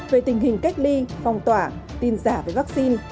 về tình hình cách ly phong tỏa tin giả về vaccine